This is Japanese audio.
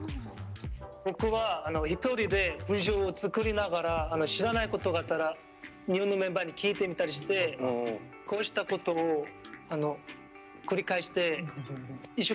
僕は１人で文章を作りながら知らないことばあったら日本のメンバーに聞いてみたりしてこうしたことを繰り返して一生懸命やっています。